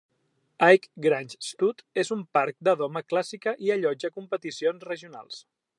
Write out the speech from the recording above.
Aike Grange Stud és un parc de doma clàssica i allotja competicions regionals.